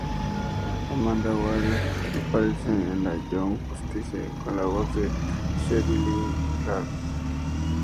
Amanda Waller aparece en la "Young Justice", con la voz de Sheryl Lee Ralph.